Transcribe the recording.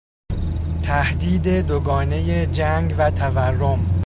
تهدید دوگانهی جنگ و تورم